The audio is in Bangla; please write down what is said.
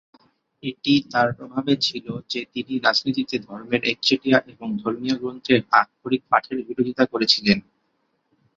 এটি তার প্রভাবে ছিল যে তিনি রাজনীতিতে ধর্মের একচেটিয়া এবং ধর্মীয় গ্রন্থের আক্ষরিক পাঠের বিরোধিতা করেছিলেন।